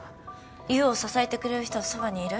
優を支えてくれる人はそばにいる？